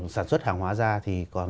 sản xuất hàng hóa ra thì còn